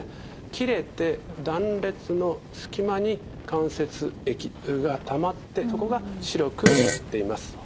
切れて断裂の隙間に関節液がたまってそこが白く写っています。